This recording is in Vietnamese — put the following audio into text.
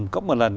có một lần